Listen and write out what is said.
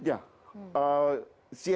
siapa yang tertentu venxton selam